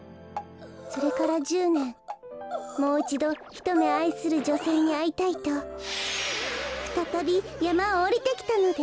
それから１０ねんもういちどひとめあいするじょせいにあいたいとふたたびやまをおりてきたのです。